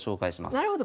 なるほど。